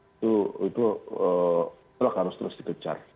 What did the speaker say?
itu itu itu harus terus dikejar